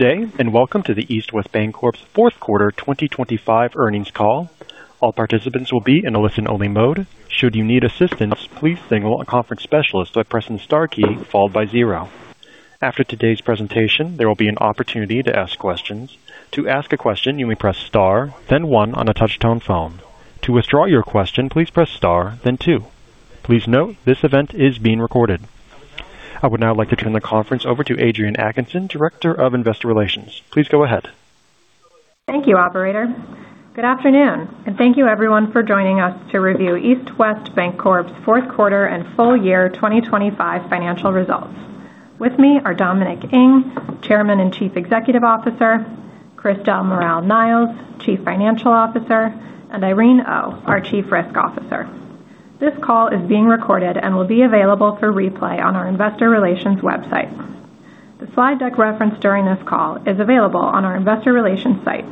Good day, and welcome to the East West Bancorp's fourth quarter 2025 earnings call. All participants will be in a listen-only mode. Should you need assistance, please signal a conference specialist by pressing the star key followed by zero. After today's presentation, there will be an opportunity to ask questions. To ask a question, you may press star, then one on a touch-tone phone. To withdraw your question, please press star, then two. Please note this event is being recorded. I would now like to turn the conference over to Adrienne Atkinson, Director of Investor Relations. Please go ahead. Thank you, Operator. Good afternoon, and thank you everyone for joining us to review East West Bancorp's fourth quarter and full year 2025 financial results. With me are Dominic Ng, Chairman and Chief Executive Officer, Chris Del Moral-Niles, Chief Financial Officer, and Irene Oh, our Chief Risk Officer. This call is being recorded and will be available for replay on our Investor Relations website. The slide deck referenced during this call is available on our Investor Relations site.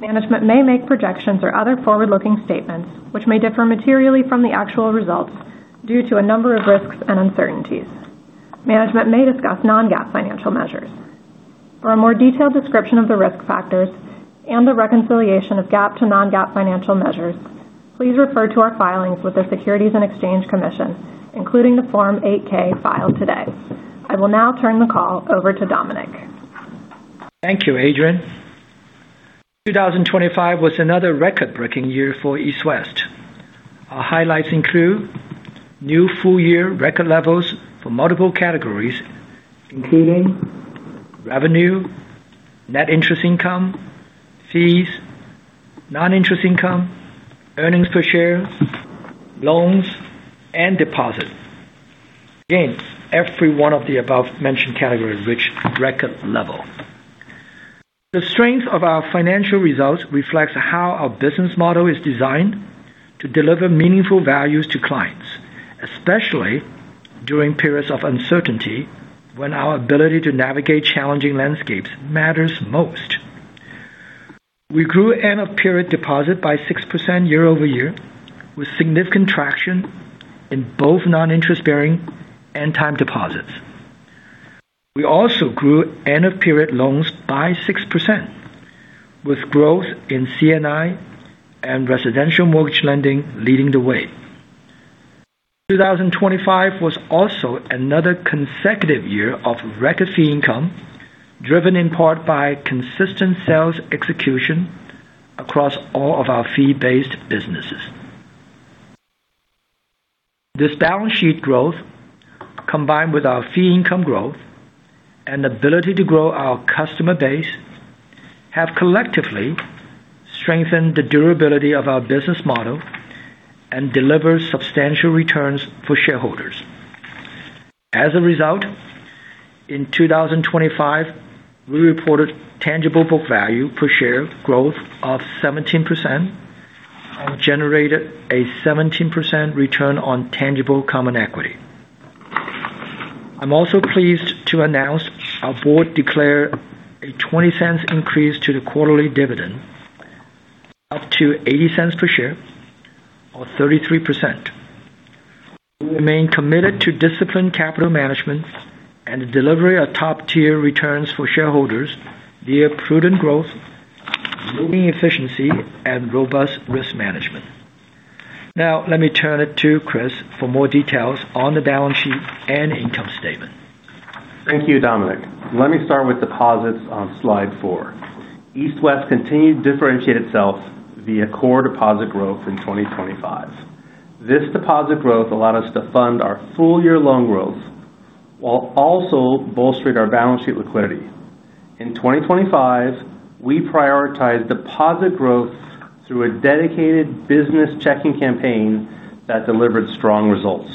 Management may make projections or other forward-looking statements which may differ materially from the actual results due to a number of risks and uncertainties. Management may discuss non-GAAP financial measures. For a more detailed description of the risk factors and the reconciliation of GAAP to non-GAAP financial measures, please refer to our filings with the Securities and Exchange Commission, including the Form 8-K filed today. I will now turn the call over to Dominic. Thank you, Adrienne. 2025 was another record-breaking year for East West. Our highlights include new full-year record levels for multiple categories, including revenue, net interest income, fees, non-interest income, earnings per share, loans, and deposits. Again, every one of the above-mentioned categories reached record level. The strength of our financial results reflects how our business model is designed to deliver meaningful values to clients, especially during periods of uncertainty when our ability to navigate challenging landscapes matters most. We grew end-of-period deposit by 6% year-over-year, with significant traction in both non-interest-bearing and time deposits. We also grew end-of-period loans by 6%, with growth in C&I and residential mortgage lending leading the way. 2025 was also another consecutive year of record fee income, driven in part by consistent sales execution across all of our fee-based businesses. This balance sheet growth, combined with our fee income growth and ability to grow our customer base, have collectively strengthened the durability of our business model and delivered substantial returns for shareholders. As a result, in 2025, we reported tangible book value per share growth of 17% and generated a 17% return on tangible common equity. I'm also pleased to announce our board declared a $0.20 increase to the quarterly dividend, up to $0.80 per share, or 33%. We remain committed to disciplined capital management and the delivery of top-tier returns for shareholders via prudent growth, ongoing efficiency, and robust risk management. Now, let me turn it to Chris for more details on the balance sheet and income statement. Thank you, Dominic. Let me start with deposits on slide four. East West continued to differentiate itself via core deposit growth in 2025. This deposit growth allowed us to fund our full-year loan growth while also bolstering our balance sheet liquidity. In 2025, we prioritized deposit growth through a dedicated business checking campaign that delivered strong results.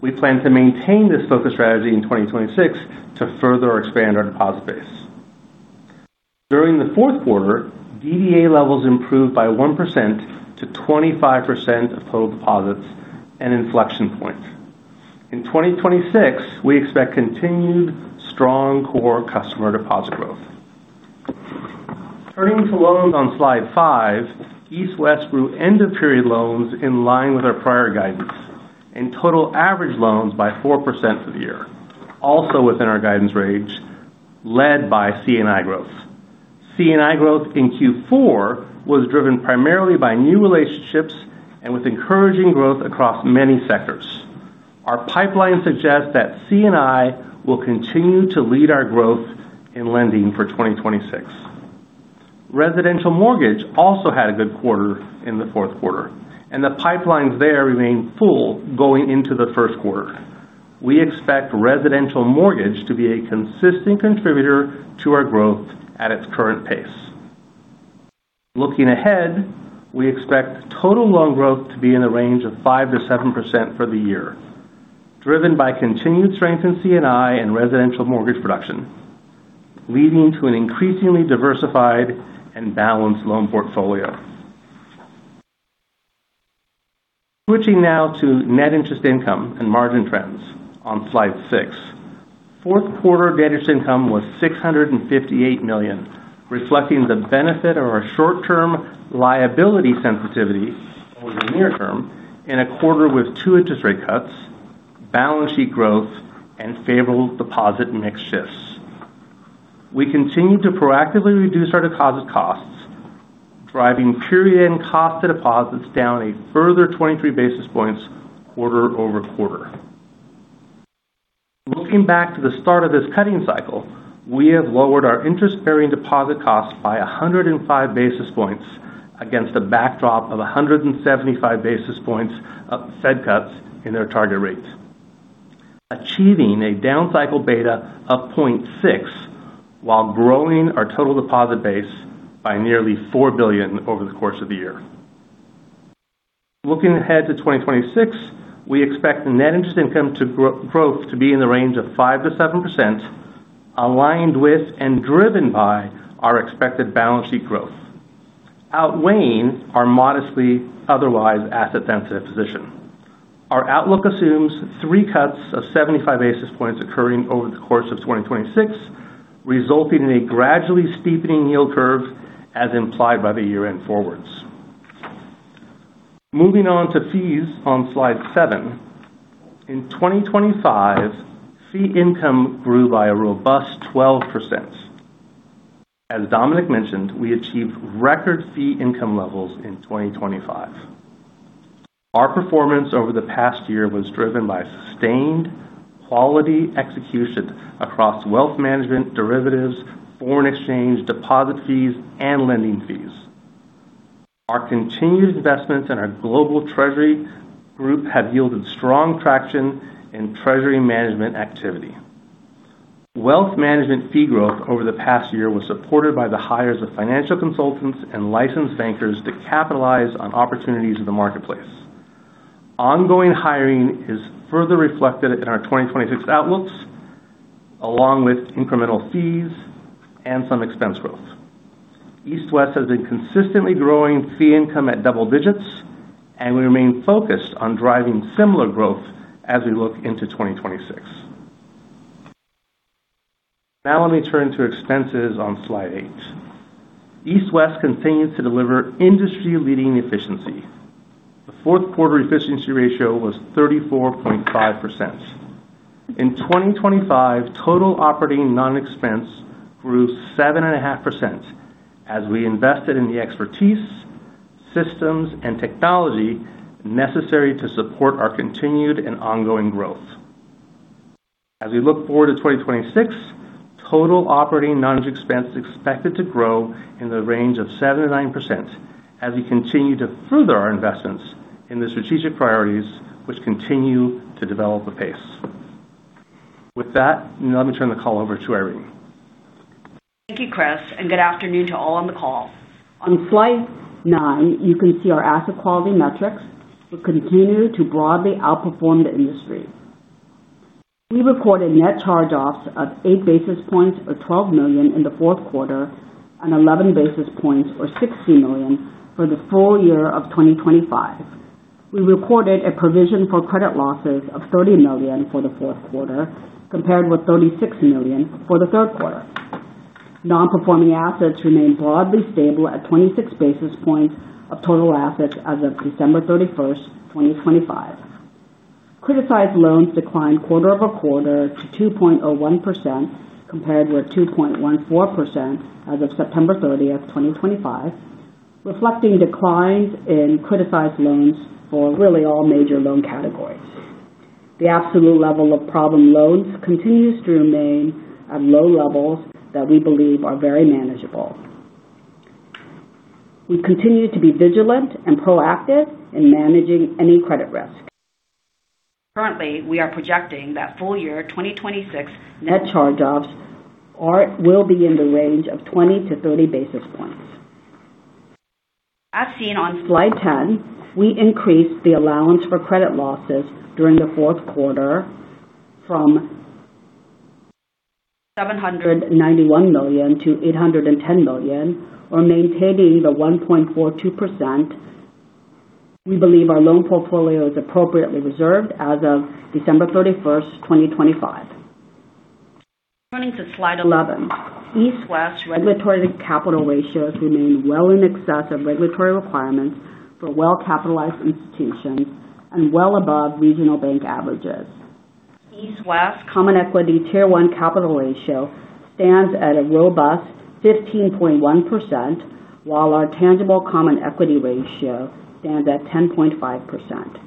We plan to maintain this focus strategy in 2026 to further expand our deposit base. During the fourth quarter, DDA levels improved by 1% to 25% of total deposits an inflection point. In 2026, we expect continued strong core customer deposit growth. Turning to loans on slide five, East West grew end-of-period loans in line with our prior guidance and total average loans by 4% for the year, also within our guidance range, led by C&I growth. C&I growth in Q4 was driven primarily by new relationships and with encouraging growth across many sectors. Our pipeline suggests that C&I will continue to lead our growth in lending for 2026. Residential mortgage also had a good quarter in the fourth quarter, and the pipelines there remained full going into the first quarter. We expect residential mortgage to be a consistent contributor to our growth at its current pace. Looking ahead, we expect total loan growth to be in the range of 5%-7% for the year, driven by continued strength in C&I and residential mortgage production, leading to an increasingly diversified and balanced loan portfolio. Switching now to net interest income and margin trends on slide 6. Fourth quarter net interest income was $658 million, reflecting the benefit of our short-term liability sensitivity over the near term in a quarter with two interest rate cuts, balance sheet growth, and favorable deposit mix shifts. We continue to proactively reduce our deposit costs, driving period-end cost of deposits down a further 23 basis points quarter over quarter. Looking back to the start of this cutting cycle, we have lowered our interest-bearing deposit costs by 105 basis points against a backdrop of 175 basis points of Fed cuts in their target rate, achieving a down cycle beta of 0.6 while growing our total deposit base by nearly $4 billion over the course of the year. Looking ahead to 2026, we expect the net interest income growth to be in the range of 5%-7%, aligned with and driven by our expected balance sheet growth, outweighing our modestly otherwise asset-sensitive position. Our outlook assumes three cuts of 75 basis points occurring over the course of 2026, resulting in a gradually steepening yield curve as implied by the year-end forwards. Moving on to fees on slide seven. In 2025, fee income grew by a robust 12%. As Dominic mentioned, we achieved record fee income levels in 2025. Our performance over the past year was driven by sustained quality execution across wealth management, derivatives, foreign exchange, deposit fees, and lending fees. Our continued investments in our global treasury group have yielded strong traction in treasury management activity. Wealth management fee growth over the past year was supported by the hires of financial consultants and licensed bankers to capitalize on opportunities in the marketplace. Ongoing hiring is further reflected in our 2026 outlooks, along with incremental fees and some expense growth. East West has been consistently growing fee income at double digits, and we remain focused on driving similar growth as we look into 2026. Now, let me turn to expenses on slide eight. East West continues to deliver industry-leading efficiency. The fourth quarter efficiency ratio was 34.5%. In 2025, total operating non-interest expense grew 7.5% as we invested in the expertise, systems, and technology necessary to support our continued and ongoing growth. As we look forward to 2026, total operating noninterest expense is expected to grow in the range of 7%-9% as we continue to further our investments in the strategic priorities, which continue to develop at a pace. With that, let me turn the call over to Irene. Thank you, Chris, and good afternoon to all on the call. On slide nine, you can see our asset quality metrics, which continue to broadly outperform the industry. We recorded net charge-offs of 8 basis points or $12 million in the fourth quarter and 11 basis points or $60 million for the full year of 2025. We recorded a provision for credit losses of $30 million for the fourth quarter, compared with $36 million for the third quarter. Non-performing assets remain broadly stable at 26 basis points of total assets as of December 31st, 2025. Criticized loans declined quarter over quarter to 2.01%, compared with 2.14% as of September 30th, 2025, reflecting declines in criticized loans for really all major loan categories. The absolute level of problem loans continues to remain at low levels that we believe are very manageable. We continue to be vigilant and proactive in managing any credit risk. Currently, we are projecting that full year 2026 net charge-offs will be in the range of 20 to 30 basis points. As seen on slide 10, we increased the allowance for credit losses during the fourth quarter from $791 million to $810 million, or maintaining the 1.42%. We believe our loan portfolio is appropriately reserved as of December 31st, 2025. Turning to slide 11, East West regulatory capital ratios remain well in excess of regulatory requirements for well-capitalized institutions and well above regional bank averages. East West Common Equity Tier 1 capital ratio stands at a robust 15.1%, while our tangible common equity ratio stands at 10.5%.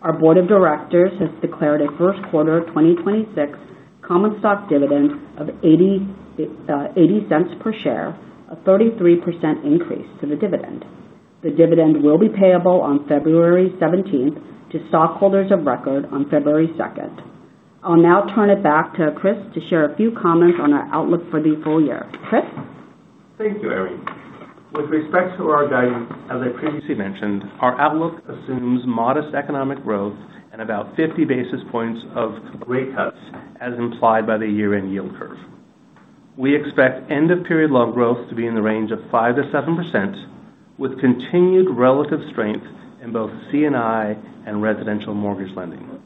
Our board of directors has declared a first quarter 2026 common stock dividend of $0.80 per share, a 33% increase to the dividend. The dividend will be payable on February 17th to stockholders of record on February 2nd. I'll now turn it back to Chris to share a few comments on our outlook for the full year. Chris? Thank you, Irene. With respect to our guidance, as I previously mentioned, our outlook assumes modest economic growth and about 50 basis points of rate cuts, as implied by the year-end yield curve. We expect end-of-period loan growth to be in the range of 5%-7%, with continued relative strength in both C&I and residential mortgage lending.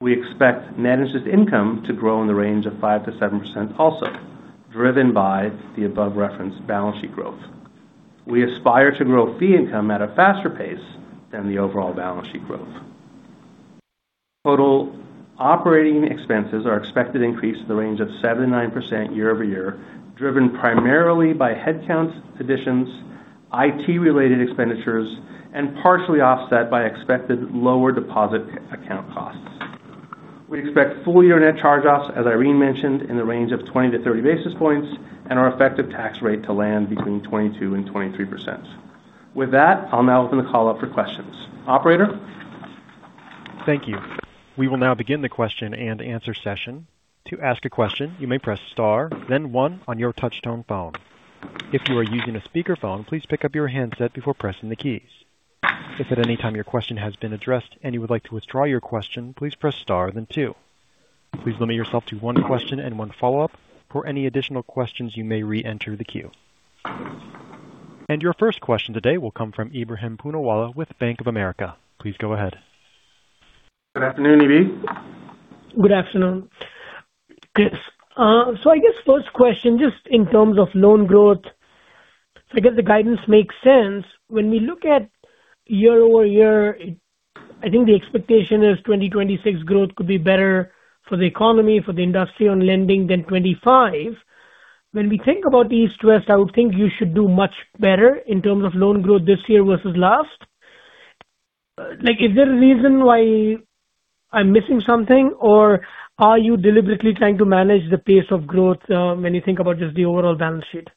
We expect net interest income to grow in the range of 5%-7% also, driven by the above-referenced balance sheet growth. We aspire to grow fee income at a faster pace than the overall balance sheet growth. Total operating expenses are expected to increase in the range of 7%-9% year-over-year, driven primarily by headcount additions, IT-related expenditures, and partially offset by expected lower deposit account costs. We expect full-year net charge-offs, as Irene mentioned, in the range of 20-30 basis points and our effective tax rate to land between 22% and 23%. With that, I'll now open the call up for questions. Operator? Thank you. We will now begin the question and answer session. To ask a question, you may press star, then one on your touch-tone phone. If you are using a speakerphone, please pick up your handset before pressing the keys. If at any time your question has been addressed and you would like to withdraw your question, please press star, then two. Please limit yourself to one question and one follow-up for any additional questions you may re-enter the queue. And your first question today will come from Ebrahim Poonawala with Bank of America. Please go ahead. Good afternoon, Ebrahim. Good afternoon. Yes, so I guess first question, just in terms of loan growth, I guess the guidance makes sense. When we look at year-over-year, I think the expectation is 2026 growth could be better for the economy, for the industry on lending than 2025. When we think about East West, I would think you should do much better in terms of loan growth this year versus last. Is there a reason why I'm missing something, or are you deliberately trying to manage the pace of growth when you think about just the overall balance sheet?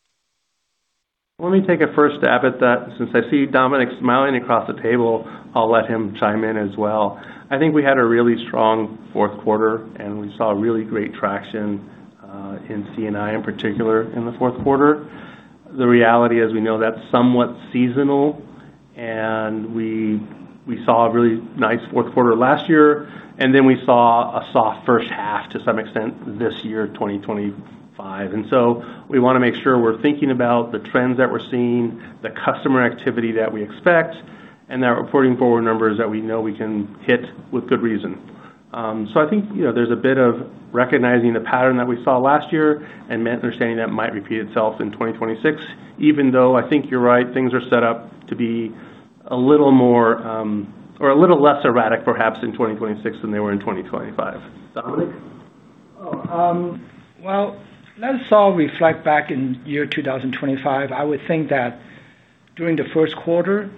Let me take a first stab at that. Since I see Dominic smiling across the table, I'll let him chime in as well. I think we had a really strong fourth quarter, and we saw really great traction in C&I in particular in the fourth quarter. The reality is we know that's somewhat seasonal, and we saw a really nice fourth quarter last year, and then we saw a soft first half to some extent this year, 2025. So we want to make sure we're thinking about the trends that we're seeing, the customer activity that we expect, and that reporting forward numbers that we know we can hit with good reason. So I think there's a bit of recognizing the pattern that we saw last year and understanding that might repeat itself in 2026, even though I think you're right, things are set up to be a little more or a little less erratic, perhaps, in 2026 than they were in 2025. Dominic? Oh, well. Let us all reflect back in year 2025. I would think that during the first quarter,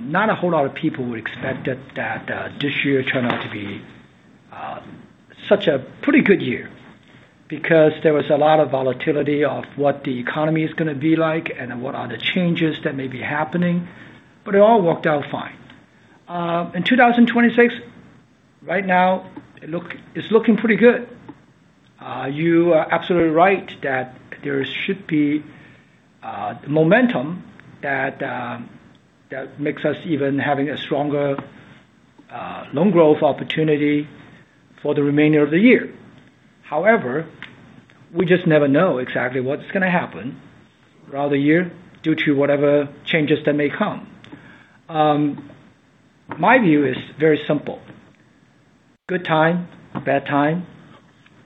not a whole lot of people would expect that this year turned out to be such a pretty good year because there was a lot of volatility of what the economy is going to be like and what are the changes that may be happening. But it all worked out fine. In 2026, right now, it's looking pretty good. You are absolutely right that there should be momentum that makes us even having a stronger loan growth opportunity for the remainder of the year. However, we just never know exactly what's going to happen throughout the year due to whatever changes that may come. My view is very simple. Good time, bad time,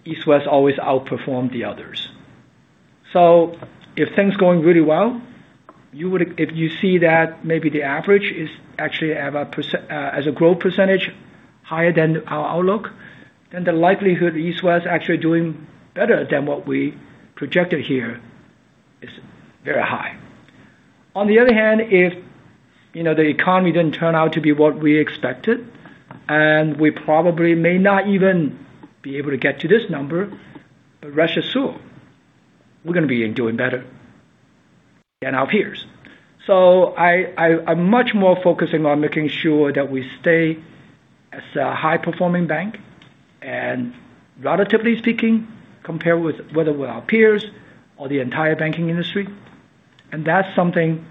East West always outperformed the others. So if things are going really well, if you see that maybe the average is actually as a growth percentage higher than our outlook, then the likelihood East West is actually doing better than what we projected here is very high. On the other hand, if the economy didn't turn out to be what we expected, and we probably may not even be able to get to this number, but rest assured, we're going to be doing better than our peers. So I'm much more focusing on making sure that we stay as a high-performing bank and, relatively speaking, compare with whether we're our peers or the entire banking industry. And that's something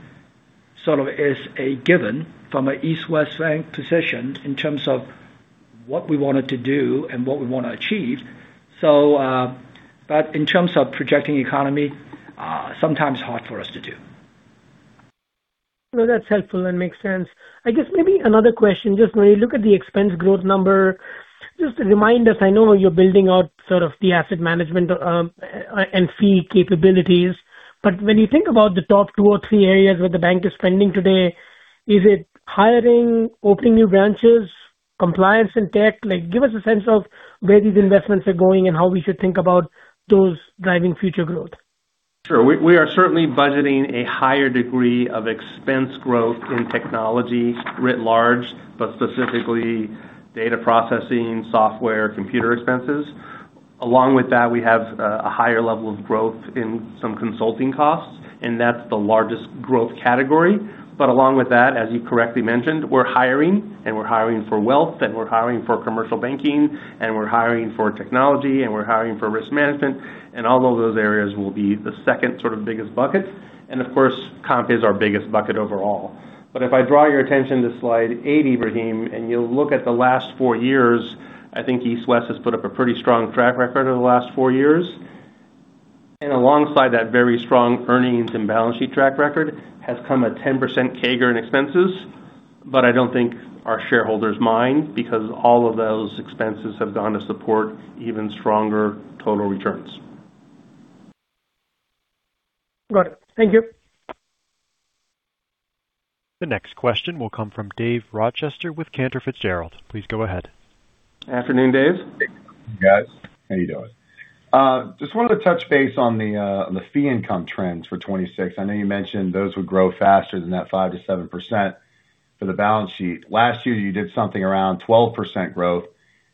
sort of is a given from an East West Bank position in terms of what we wanted to do and what we want to achieve. But in terms of projecting the economy, sometimes it's hard for us to do. No, that's helpful and makes sense. I guess maybe another question. Just when you look at the expense growth number, just remind us. I know you're building out sort of the asset management and fee capabilities, but when you think about the top two or three areas where the bank is spending today, is it hiring, opening new branches, compliance and tech? Give us a sense of where these investments are going and how we should think about those driving future growth. Sure. We are certainly budgeting a higher degree of expense growth in technology writ large, but specifically data processing, software, computer expenses. Along with that, we have a higher level of growth in some consulting costs, and that's the largest growth category. But along with that, as you correctly mentioned, we're hiring, and we're hiring for wealth, and we're hiring for commercial banking, and we're hiring for technology, and we're hiring for risk management. And all of those areas will be the second sort of biggest bucket. And of course, comp is our biggest bucket overall. But if I draw your attention to slide eight, Ebrahim, and you'll look at the last four years, I think East West has put up a pretty strong track record over the last four years. Alongside that very strong earnings and balance sheet track record has come a 10% CAGR in expenses, but I don't think our shareholders mind because all of those expenses have gone to support even stronger total returns. Got it. Thank you. The next question will come from Dave Rochester with Cantor Fitzgerald. Please go ahead. Good afternoon, Dave. Hey, guys. How you doing? Just wanted to touch base on the fee income trends for 2026. I know you mentioned those would grow faster than that 5%-7% for the balance sheet. Last year, you did something around 12% growth.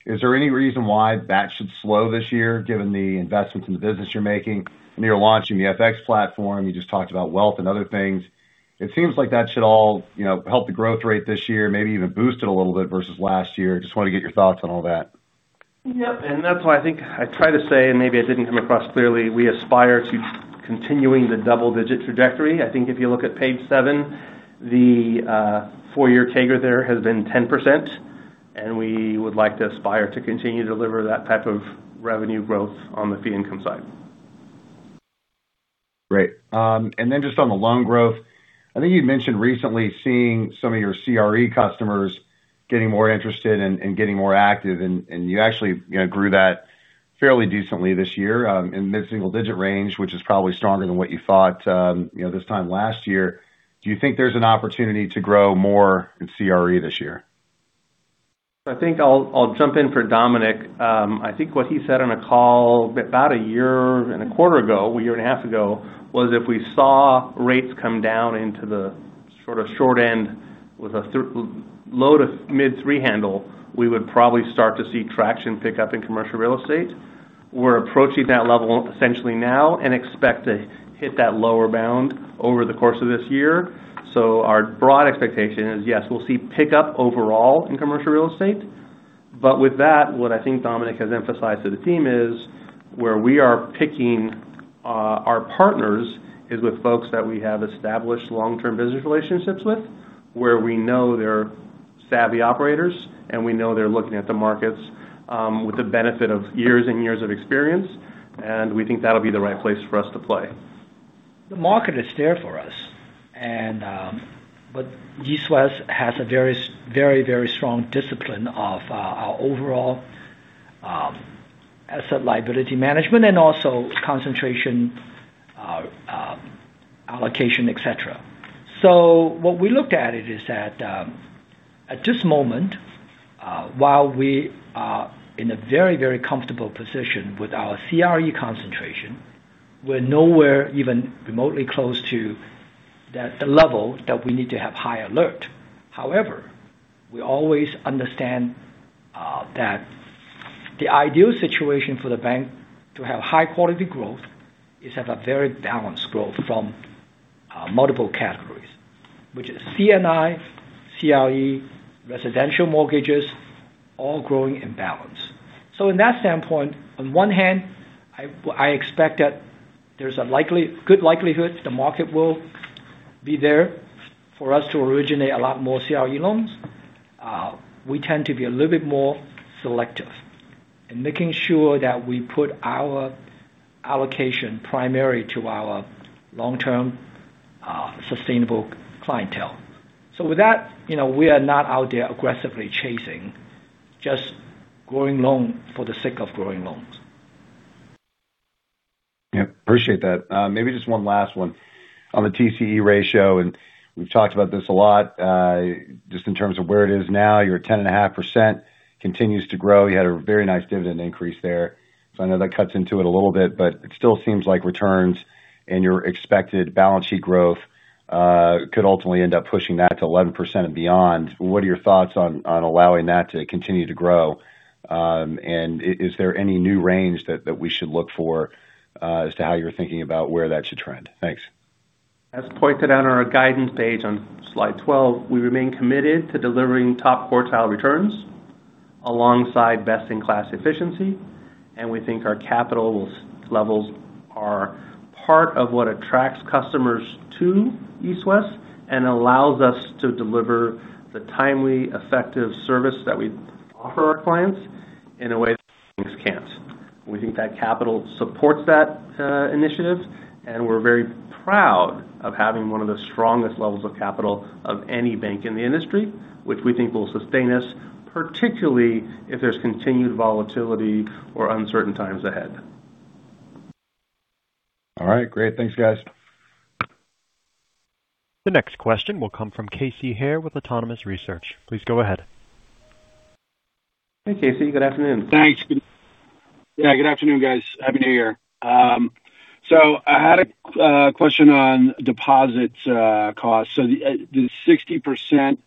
Is there any reason why that should slow this year given the investments in the business you're making? And you're launching the FX platform. You just talked about wealth and other things. It seems like that should all help the growth rate this year, maybe even boost it a little bit versus last year. Just wanted to get your thoughts on all that. Yep, and that's why I think I try to say, and maybe I didn't come across clearly, we aspire to continuing the double-digit trajectory. I think if you look at page seven, the four-year CAGR there has been 10%, and we would like to aspire to continue to deliver that type of revenue growth on the fee income side. Great. And then just on the loan growth, I think you'd mentioned recently seeing some of your CRE customers getting more interested and getting more active, and you actually grew that fairly decently this year in the mid-single-digit range, which is probably stronger than what you thought this time last year. Do you think there's an opportunity to grow more in CRE this year? I think I'll jump in for Dominic. I think what he said on a call about a year and a quarter ago, a year and a half ago, was if we saw rates come down into the sort of short end with a low to mid-three handle, we would probably start to see traction pick up in commercial real estate. We're approaching that level essentially now and expect to hit that lower bound over the course of this year. So our broad expectation is, yes, we'll see pick up overall in commercial real estate. But with that, what I think Dominic has emphasized to the team is where we are picking our partners is with folks that we have established long-term business relationships with, where we know they're savvy operators, and we know they're looking at the markets with the benefit of years and years of experience. We think that'll be the right place for us to play. The market is there for us. But East West has a very, very strong discipline of our overall asset liability management and also concentration allocation, etc. So what we looked at is that at this moment, while we are in a very, very comfortable position with our CRE concentration, we're nowhere even remotely close to the level that we need to have high alert. However, we always understand that the ideal situation for the bank to have high-quality growth is to have a very balanced growth from multiple categories, which is C&I, CRE, residential mortgages, all growing in balance. So in that standpoint, on one hand, I expect that there's a good likelihood the market will be there for us to originate a lot more CRE loans. We tend to be a little bit more selective in making sure that we put our allocation primarily to our long-term sustainable clientele. So with that, we are not out there aggressively chasing just growing loans for the sake of growing loans. Yep. Appreciate that. Maybe just one last one on the TCE ratio. And we've talked about this a lot just in terms of where it is now. Your 10.5% continues to grow. You had a very nice dividend increase there. So I know that cuts into it a little bit, but it still seems like returns and your expected balance sheet growth could ultimately end up pushing that to 11% and beyond. What are your thoughts on allowing that to continue to grow? And is there any new range that we should look for as to how you're thinking about where that should trend? Thanks. As pointed out on our guidance page on slide 12, we remain committed to delivering top quartile returns alongside best-in-class efficiency, and we think our capital levels are part of what attracts customers to East West and allows us to deliver the timely, effective service that we offer our clients in a way that banks can't. We think that capital supports that initiative, and we're very proud of having one of the strongest levels of capital of any bank in the industry, which we think will sustain us, particularly if there's continued volatility or uncertain times ahead. All right. Great. Thanks, guys. The next question will come from Casey Haire with Autonomous Research. Please go ahead. Hey, Casey. Good afternoon. Thanks. Yeah. Good afternoon, guys. Happy New Year. So I had a question on deposit costs. So the 60%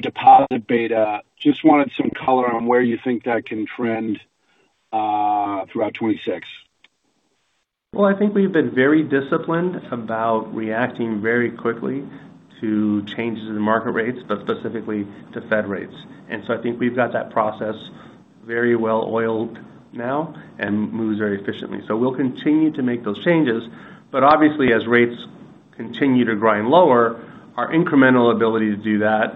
deposit beta, just wanted some color on where you think that can trend throughout 2026. I think we've been very disciplined about reacting very quickly to changes in market rates, but specifically to Fed rates, and so I think we've got that process very well-oiled now and moves very efficiently, so we'll continue to make those changes, but obviously, as rates continue to grind lower, our incremental ability to do that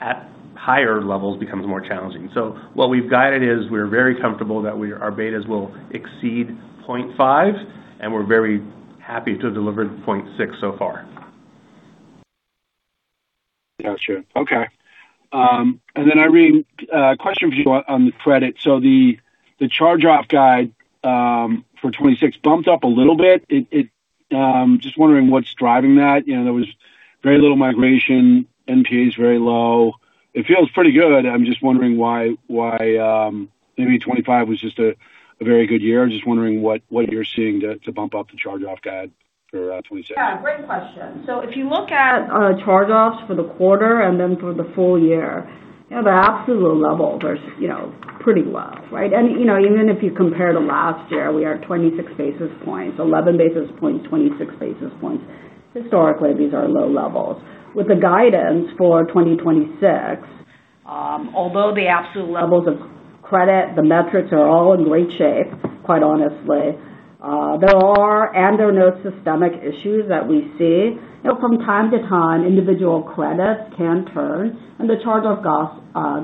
at higher levels becomes more challenging, so what we've guided is we're very comfortable that our betas will exceed 0.5, and we're very happy to have delivered 0.6 so far. Gotcha. Okay. And then, Irene, question for you on the credit. So the charge-off guide for 2026 bumped up a little bit. Just wondering what's driving that. There was very little migration. NPA is very low. It feels pretty good. I'm just wondering why maybe 2025 was just a very good year. Just wondering what you're seeing to bump up the charge-off guide for 2026. Yeah. Great question. So if you look at charge-offs for the quarter and then for the full year, the absolute levels are pretty low, right? And even if you compare to last year, we are 26 basis points, 11 basis points, 26 basis points. Historically, these are low levels. With the guidance for 2026, although the absolute levels of credit, the metrics are all in great shape, quite honestly, there are no systemic issues that we see. From time to time, individual credits can turn, and the charge-off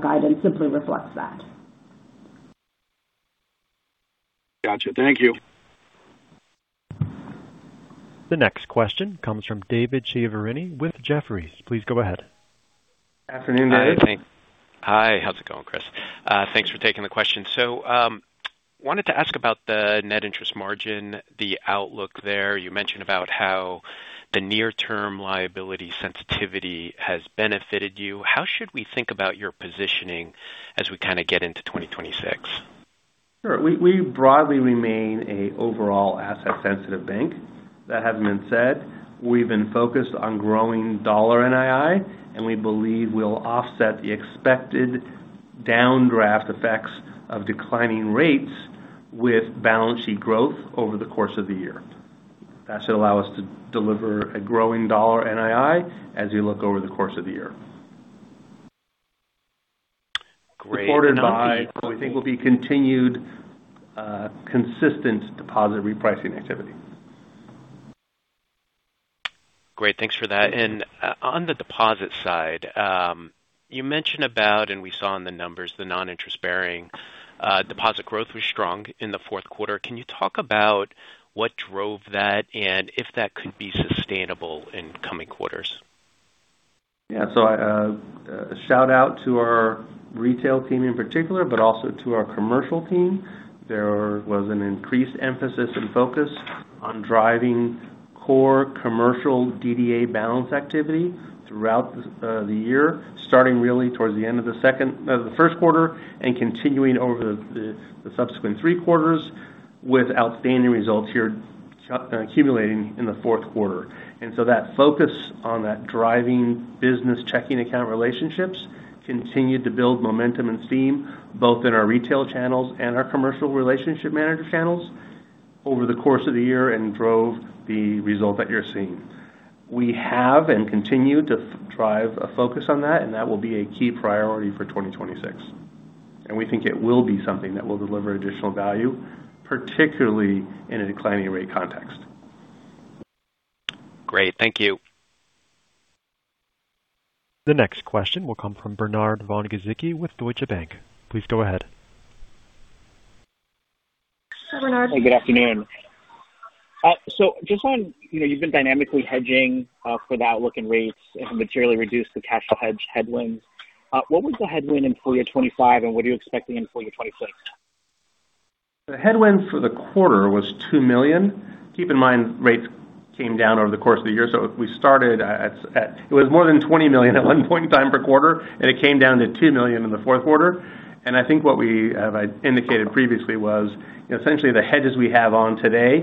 guidance simply reflects that. Gotcha. Thank you. The next question comes from David Chiaverini with Jefferies. Please go ahead. Good afternoon, Dave. Hi. Hi. How's it going, Chris? Thanks for taking the question. So wanted to ask about the net interest margin, the outlook there. You mentioned about how the near-term liability sensitivity has benefited you. How should we think about your positioning as we kind of get into 2026? Sure. We broadly remain an overall asset-sensitive bank. That hasn't been said. We've been focused on growing dollar NII, and we believe we'll offset the expected downdraft effects of declining rates with balance sheet growth over the course of the year. That should allow us to deliver a growing dollar NII as we look over the course of the year. Great. Supported by what we think will be continued consistent deposit repricing activity. Great. Thanks for that. And on the deposit side, you mentioned about, and we saw in the numbers, the non-interest-bearing deposit growth was strong in the fourth quarter. Can you talk about what drove that and if that could be sustainable in coming quarters? Yeah. So a shout-out to our retail team in particular, but also to our commercial team. There was an increased emphasis and focus on driving core commercial DDA balance activity throughout the year, starting really towards the end of the second or the first quarter and continuing over the subsequent three quarters with outstanding results here accumulating in the fourth quarter. And so that focus on that driving business checking account relationships continued to build momentum and steam both in our retail channels and our commercial relationship manager channels over the course of the year and drove the result that you're seeing. We have and continue to drive a focus on that, and that will be a key priority for 2026. And we think it will be something that will deliver additional value, particularly in a declining rate context. Great. Thank you. The next question will come from Bernard von Gizycki with Deutsche Bank. Please go ahead. Hi, Bernard. Hey, good afternoon. So just on you've been dynamically hedging for the outlook and rates and materially reduced the cash hedge headwinds. What was the headwind in full year 2025, and what are you expecting in full year 2026? The headwind for the quarter was $2 million. Keep in mind, rates came down over the course of the year. So we started at it was more than $20 million at one point in time per quarter, and it came down to $2 million in the fourth quarter. And I think what we have indicated previously was essentially the hedges we have on today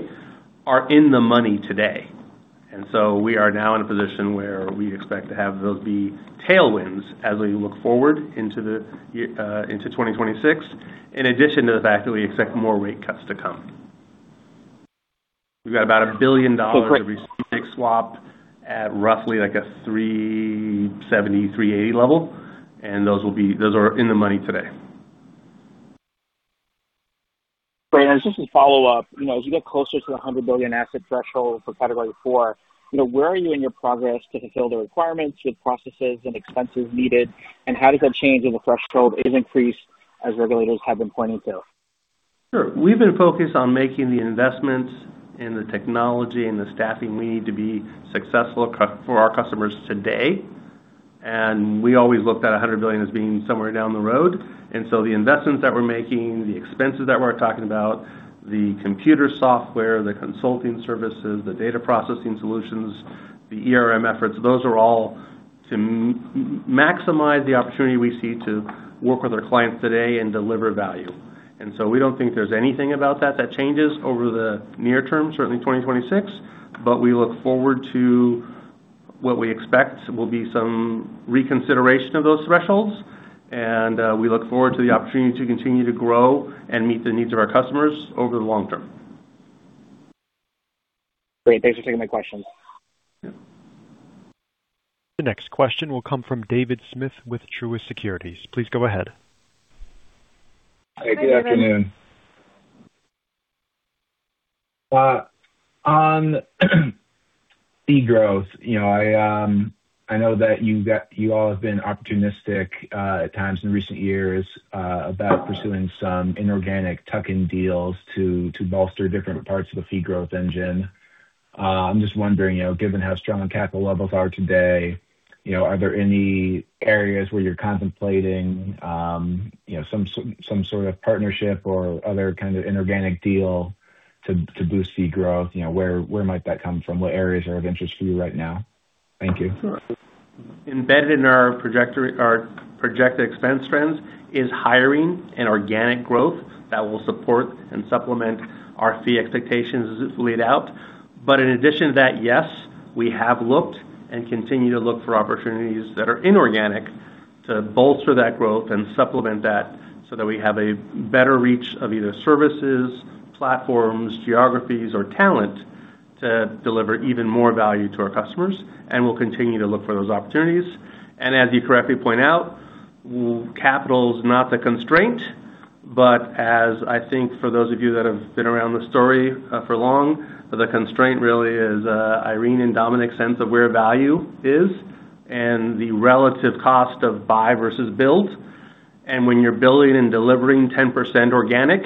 are in the money today. And so we are now in a position where we expect to have those be tailwinds as we look forward into 2026, in addition to the fact that we expect more rate cuts to come. We've got about $1 billion of recently swapped at roughly like a 370-380 level, and those are in the money today. Great. And just to follow up, as you get closer to the $100 billion asset threshold for category four, where are you in your progress to fulfill the requirements with processes and expenses needed, and how does that change if the threshold is increased as regulators have been pointing to? Sure. We've been focused on making the investments in the technology and the staffing we need to be successful for our customers today. We always looked at $100 billion as being somewhere down the road. The investments that we're making, the expenses that we're talking about, the computer software, the consulting services, the data processing solutions, the efforts, those are all to maximize the opportunity we see to work with our clients today and deliver value. We don't think there's anything about that that changes over the near term, certainly 2026, but we look forward to what we expect will be some reconsideration of those thresholds. We look forward to the opportunity to continue to grow and meet the needs of our customers over the long term. Great. Thanks for taking my questions. Yeah. The next question will come from David Smith with Truist Securities. Please go ahead. Hey, good afternoon. On fee growth, I know that you all have been opportunistic at times in recent years about pursuing some inorganic tuck-in deals to bolster different parts of the fee growth engine. I'm just wondering, given how strong capital levels are today, are there any areas where you're contemplating some sort of partnership or other kind of inorganic deal to boost fee growth? Where might that come from? What areas are of interest for you right now? Thank you. Embedded in our projected expense trends is hiring and organic growth that will support and supplement our fee expectations as it's laid out. But in addition to that, yes, we have looked and continue to look for opportunities that are inorganic to bolster that growth and supplement that so that we have a better reach of either services, platforms, geographies, or talent to deliver even more value to our customers. And we'll continue to look for those opportunities. And as you correctly point out, capital is not the constraint. But as I think for those of you that have been around the story for long, the constraint really is Irene and Dominic's sense of where value is and the relative cost of buy versus build. And when you're building and delivering 10% organic,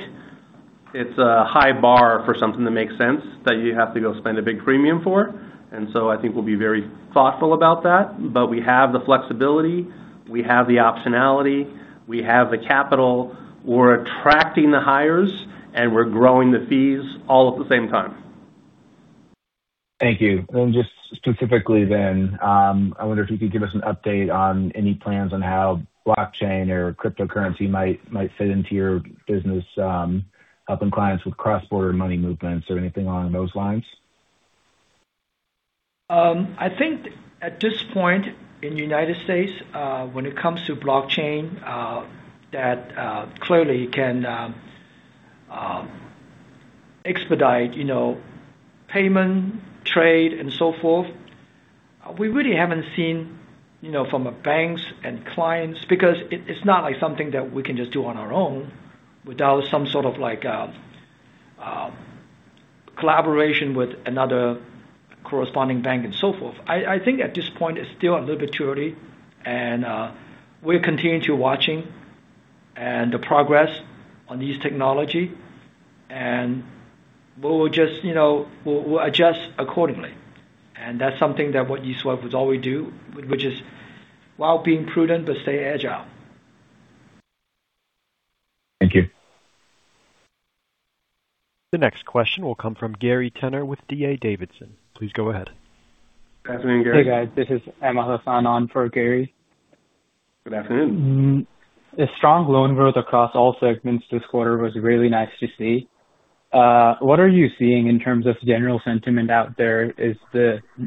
it's a high bar for something that makes sense that you have to go spend a big premium for. And so I think we'll be very thoughtful about that. But we have the flexibility. We have the optionality. We have the capital. We're attracting the hires, and we're growing the fees all at the same time. Thank you. And just specifically then, I wonder if you could give us an update on any plans on how blockchain or cryptocurrency might fit into your business, helping clients with cross-border money movements or anything along those lines? I think at this point in the United States, when it comes to blockchain, that clearly can expedite payment, trade, and so forth. We really haven't seen from banks and clients because it's not like something that we can just do on our own without some sort of collaboration with another corresponding bank and so forth. I think at this point, it's still a little bit too early. And we're continuing to watch and the progress on these technologies. And we'll just adjust accordingly. And that's something that what East West would always do, which is while being prudent, but stay agile. Thank you. The next question will come from Gary Tenner with D.A. Davidson. Please go ahead. Good afternoon, Gary. Hey, guys. This is Ahmad Hasan on for Gary. Good afternoon. The strong loan growth across all segments this quarter was really nice to see. What are you seeing in terms of general sentiment out there?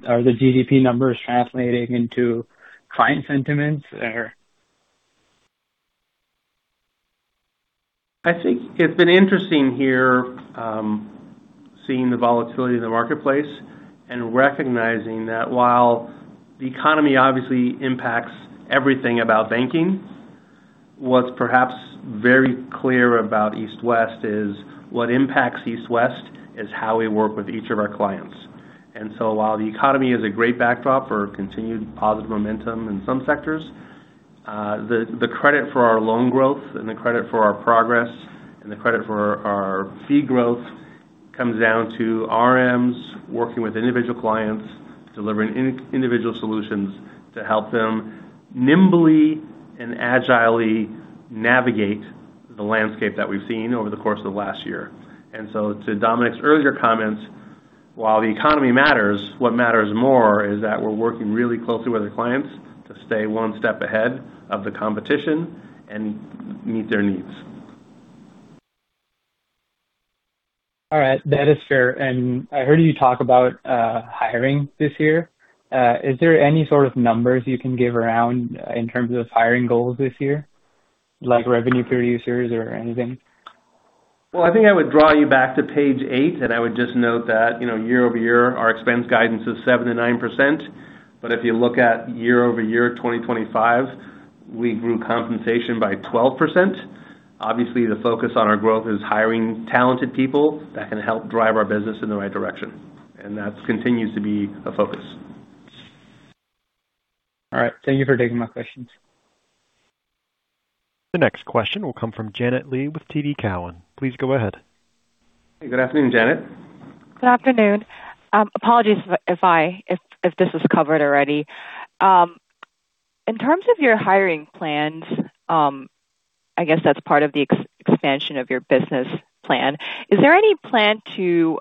Are the GDP numbers translating into client sentiments? I think it's been interesting here seeing the volatility in the marketplace and recognizing that while the economy obviously impacts everything about banking, what's perhaps very clear about East West is what impacts East West is how we work with each of our clients, and so while the economy is a great backdrop for continued positive momentum in some sectors, the credit for our loan growth and the credit for our progress and the credit for our fee growth comes down to RMs working with individual clients, delivering individual solutions to help them nimbly and agilely navigate the landscape that we've seen over the course of the last year, and so to Dominic's earlier comments, while the economy matters, what matters more is that we're working really closely with our clients to stay one step ahead of the competition and meet their needs. All right. That is fair. And I heard you talk about hiring this year. Is there any sort of numbers you can give around in terms of hiring goals this year, like revenue producers or anything? I think I would draw you back to page eight, and I would just note that year over year, our expense guidance is 7%-9%. But if you look at year over year 2025, we grew compensation by 12%. Obviously, the focus on our growth is hiring talented people that can help drive our business in the right direction, and that continues to be a focus. All right. Thank you for taking my questions. The next question will come from Janet Lee with TD Cowen. Please go ahead. Hey, good afternoon, Janet. Good afternoon. Apologies if this is covered already. In terms of your hiring plans, I guess that's part of the expansion of your business plan. Is there any plan to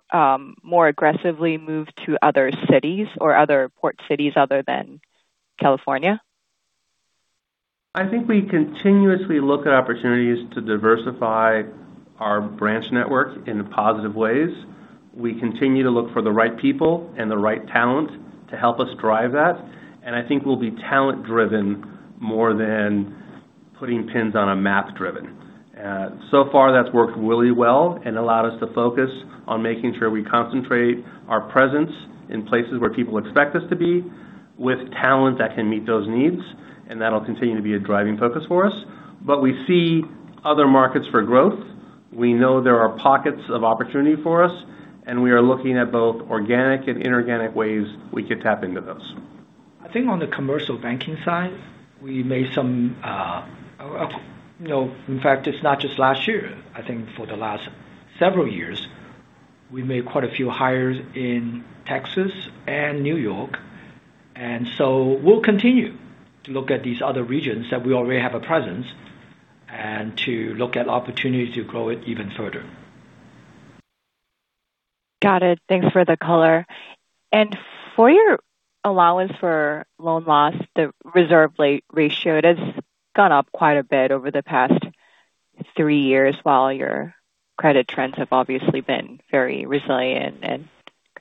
more aggressively move to other cities or other port cities other than California? I think we continuously look at opportunities to diversify our branch network in positive ways. We continue to look for the right people and the right talent to help us drive that. And I think we'll be talent-driven more than putting pins on a map-driven. So far, that's worked really well and allowed us to focus on making sure we concentrate our presence in places where people expect us to be with talent that can meet those needs. And that'll continue to be a driving focus for us. But we see other markets for growth. We know there are pockets of opportunity for us, and we are looking at both organic and inorganic ways we could tap into those. I think on the commercial banking side, we made some, in fact, it's not just last year. I think for the last several years, we made quite a few hires in Texas and New York, and so we'll continue to look at these other regions that we already have a presence and to look at opportunities to grow it even further. Got it. Thanks for the color, and for your allowance for loan loss, the reserve rate ratio, it has gone up quite a bit over the past three years while your credit trends have obviously been very resilient, and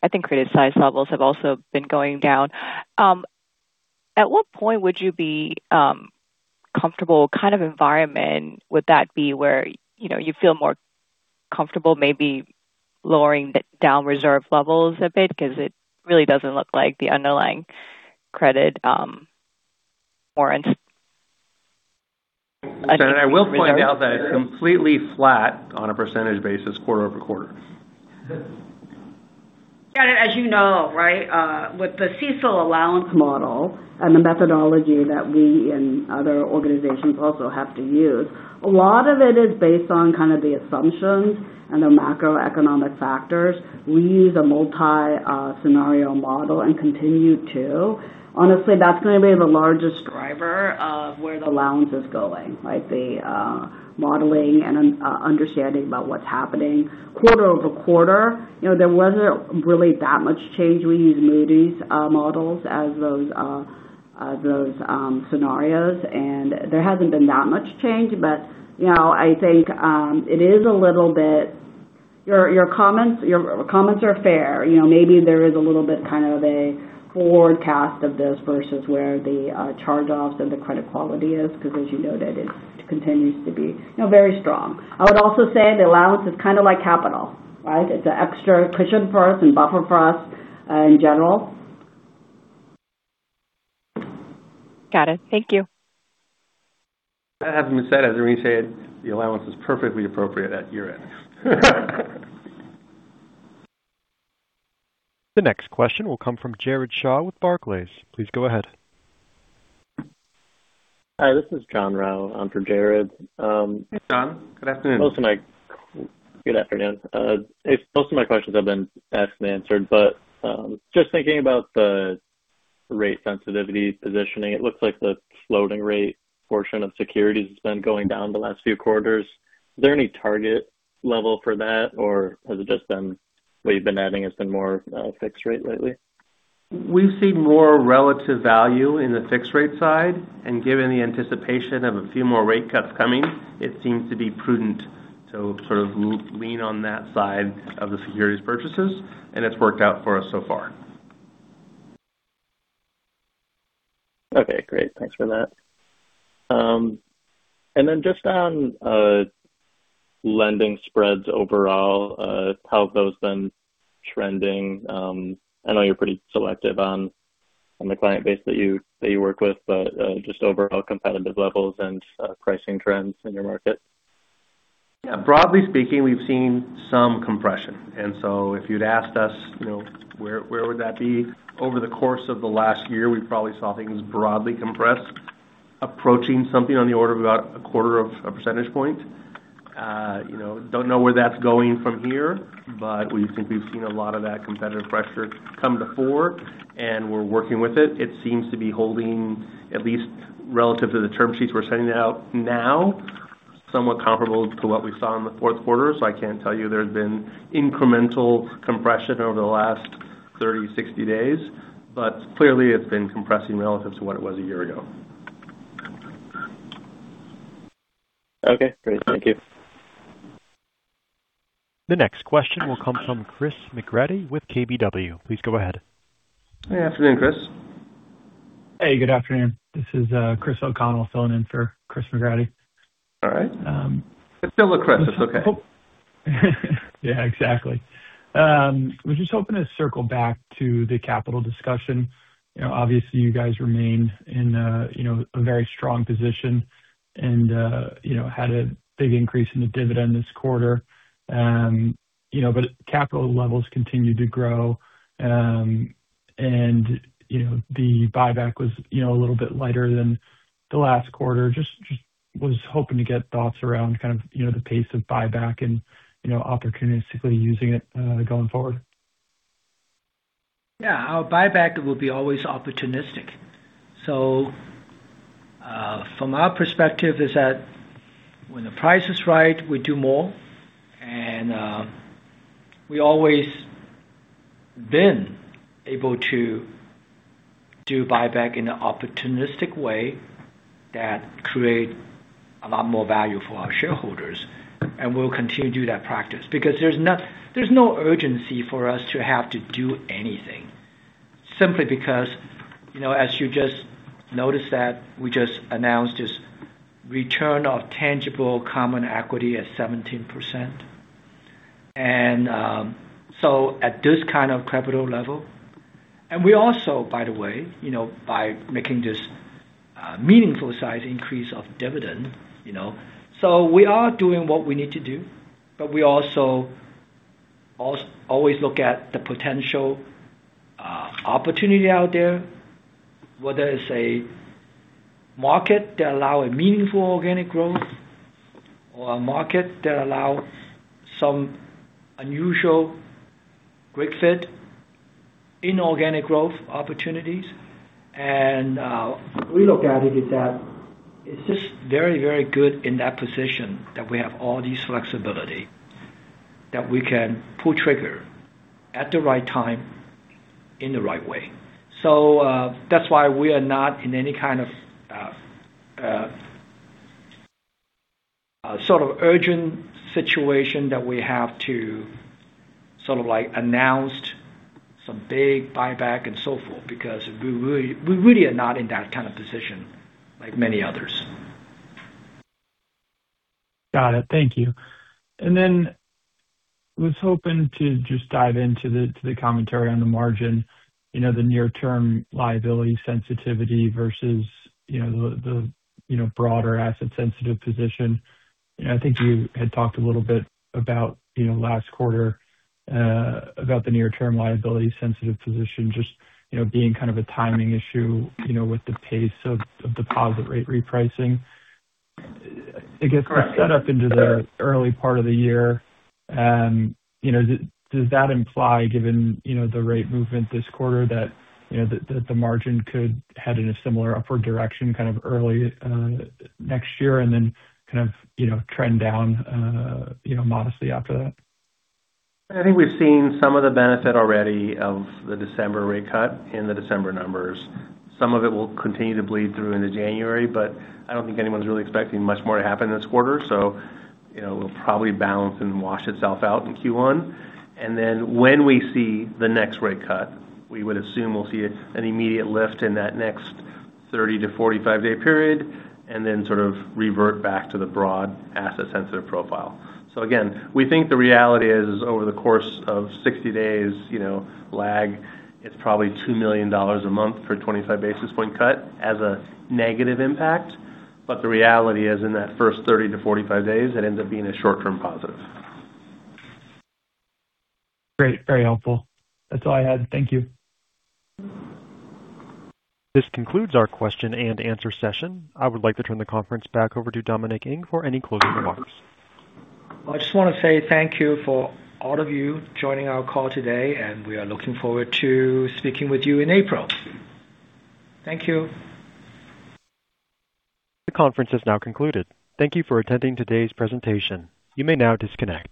I think criticized levels have also been going down. At what point would you be comfortable? What kind of environment would that be where you feel more comfortable maybe lowering down reserve levels a bit? Because it really doesn't look like the underlying credit warrants. I will point out that it's completely flat on a percentage basis quarter over quarter. Got it. As you know, right, with the CECL allowance model and the methodology that we and other organizations also have to use, a lot of it is based on kind of the assumptions and the macroeconomic factors. We use a multi-scenario model and continue to. Honestly, that's going to be the largest driver of where the allowance is going, right? The modeling and understanding about what's happening quarter over quarter. There wasn't really that much change. We use Moody's models as those scenarios, and there hasn't been that much change. But I think it is a little bit. Your comments are fair. Maybe there is a little bit kind of a forward cast of this versus where the charge-offs and the credit quality is because, as you noted, it continues to be very strong. I would also say the allowance is kind of like capital, right? It's an extra cushion for us and buffer for us in general. Got it. Thank you. As I said, the allowance is perfectly appropriate at year-end. The next question will come from Jared Shaw with Barclays. Please go ahead. Hi, this is John Rowe. I'm from Jared. Hey, John. Good afternoon. Good afternoon. Most of my questions have been asked and answered. But just thinking about the rate sensitivity positioning, it looks like the floating rate portion of securities has been going down the last few quarters. Is there any target level for that, or has it just been what you've been adding has been more fixed rate lately? We've seen more relative value in the fixed rate side, and given the anticipation of a few more rate cuts coming, it seems to be prudent to sort of lean on that side of the securities purchases, and it's worked out for us so far. Okay. Great. Thanks for that, and then just on lending spreads overall, how have those been trending? I know you're pretty selective on the client base that you work with, but just overall competitive levels and pricing trends in your market. Yeah. Broadly speaking, we've seen some compression, and so if you'd asked us where would that be over the course of the last year, we probably saw things broadly compressed, approaching something on the order of about a quarter of a percentage point. Don't know where that's going from here, but we think we've seen a lot of that competitive pressure come to fore, and we're working with it. It seems to be holding at least relative to the term sheets we're sending out now, somewhat comparable to what we saw in the fourth quarter, so I can't tell you there's been incremental compression over the last 30, 60 days, but clearly, it's been compressing relative to what it was a year ago. Okay. Great. Thank you. The next question will come from Chris McGratty with KBW. Please go ahead. Hey, afternoon, Chris. Hey, good afternoon. This is Chris O'Connell filling in for Chris McGratty. All right. It's still a Chris. It's okay. Yeah, exactly. I was just hoping to circle back to the capital discussion. Obviously, you guys remained in a very strong position and had a big increase in the dividend this quarter. But capital levels continue to grow. And the buyback was a little bit lighter than the last quarter. Just was hoping to get thoughts around kind of the pace of buyback and opportunistically using it going forward. Yeah. Our buyback will be always opportunistic. So from our perspective, is that when the price is right, we do more. And we've always been able to do buyback in an opportunistic way that creates a lot more value for our shareholders. And we'll continue to do that practice because there's no urgency for us to have to do anything. Simply because, as you just noticed that we just announced this return of tangible common equity at 17%. And so at this kind of capital level, and we also, by the way, by making this meaningful size increase of dividend, so we are doing what we need to do. But we also always look at the potential opportunity out there, whether it's a market that allows a meaningful organic growth or a market that allows some unusual great fit inorganic growth opportunities. And we look at it as that it's just very, very good in that position that we have all this flexibility that we can pull trigger at the right time in the right way. So that's why we are not in any kind of sort of urgent situation that we have to sort of announce some big buyback and so forth because we really are not in that kind of position like many others. Got it. Thank you. And then I was hoping to just dive into the commentary on the margin, the near-term liability sensitivity versus the broader asset-sensitive position. I think you had talked a little bit about last quarter, about the near-term liability sensitive position just being kind of a timing issue with the pace of deposit rate repricing. I guess the setup into the early part of the year, does that imply, given the rate movement this quarter, that the margin could head in a similar upward direction kind of early next year and then kind of trend down modestly after that? I think we've seen some of the benefit already of the December rate cut in the December numbers. Some of it will continue to bleed through into January. But I don't think anyone's really expecting much more to happen this quarter. So it'll probably balance and wash itself out in Q1. And then when we see the next rate cut, we would assume we'll see an immediate lift in that next 30-45-day period and then sort of revert back to the broad asset-sensitive profile. So again, we think the reality is over the course of 60 days lag, it's probably $2 million a month for a 25 basis point cut as a negative impact. But the reality is in that first 30-45 days, it ends up being a short-term positive. Great. Very helpful. That's all I had. Thank you. This concludes our question and answer session. I would like to turn the conference back over to Dominic Ng for any closing remarks. I just want to say thank you for all of you joining our call today, and we are looking forward to speaking with you in April. Thank you. The conference has now concluded. Thank you for attending today's presentation. You may now disconnect.